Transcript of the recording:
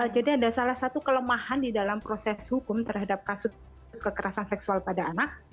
jadi ada salah satu kelemahan di dalam proses hukum terhadap kasus kekerasan seksual pada anak